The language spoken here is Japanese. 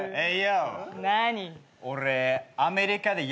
えっ？